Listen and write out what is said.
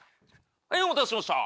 はいお待たせしました